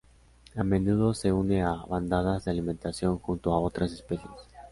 A menudo se une a bandadas de alimentación junto a otras especies.